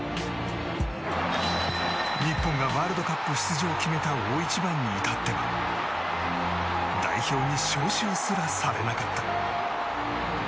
日本がワールドカップ出場を決めた大一番に至っては代表に招集すらされなかった。